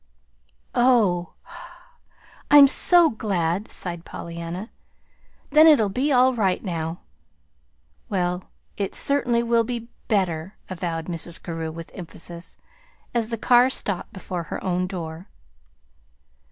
"Oh, I'm so glad," sighed Pollyanna. "Then it'll be all right now." "Well, it certainly will be better," avowed Mrs. Carew with emphasis, as the car stopped before her own door.